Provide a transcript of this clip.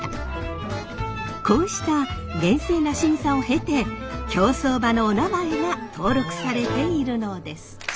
こうした厳正な審査を経て競走馬のおなまえが登録されているのです。